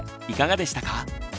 いかがでしたか？